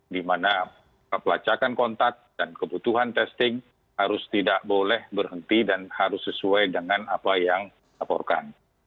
di mana pelacakan kontak dan kebutuhan testing harus tidak boleh berhenti dan harus sesuai dengan apa yang dilaporkan